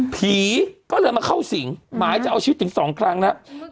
ผีก็เลยมาเข้าสิงหมายจะเอาชีวิตถึง๒ครั้งแล้ว